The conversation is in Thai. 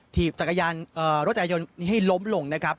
ถีบรถจัยงยนต์ให้ล้มลงนะครับ